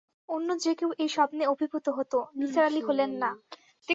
অন্য যে-কেউ এই স্বপ্নে অভিভূত হত, নিসার আলি হলেন না।